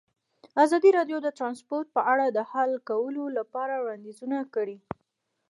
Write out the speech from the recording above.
ازادي راډیو د ترانسپورټ په اړه د حل کولو لپاره وړاندیزونه کړي.